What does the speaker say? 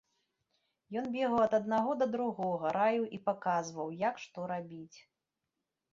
Ён бегаў ад аднаго да другога, раіў і паказваў, як што рабіць.